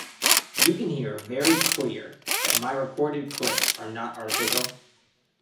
You can hear very clear that my recorded clips are not artificial.